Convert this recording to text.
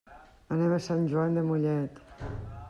Anem a Sant Joan de Mollet.